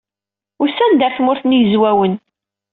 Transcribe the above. Usan-d ɣer Tmurt n Yizwawen.